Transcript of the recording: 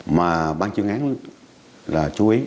mà ban chương án là chú ý